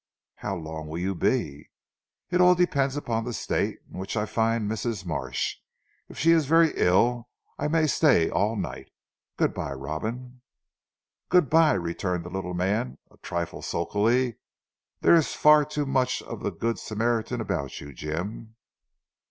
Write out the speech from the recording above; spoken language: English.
"How long will you be?" "It all depends upon the state in which I find Mrs. Marsh. If she is very ill I may stay all night. Good bye Robin." "Good bye," returned the little man a trifle sulkily, "there is far too much of the good Samaritan about you Jim."